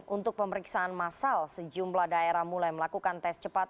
untuk pemeriksaan masal sejumlah daerah mulai melakukan tes cepat